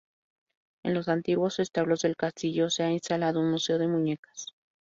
En los antiguos establos del castillo se ha instalado un "Museo de muñecas".